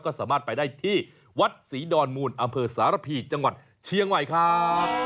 ก็สามารถไปได้ที่วัดศรีดอนมูลอำเภอสารพีจังหวัดเชียงใหม่ครับ